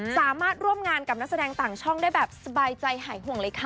สามารถร่วมงานกับนักแสดงต่างช่องได้แบบสบายใจหายห่วงเลยค่ะ